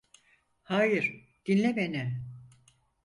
Hayır, dinle beni.